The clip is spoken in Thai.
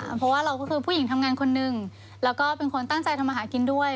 เพราะว่าเราก็คือผู้หญิงทำงานคนหนึ่งแล้วก็เป็นคนตั้งใจทำมาหากินด้วย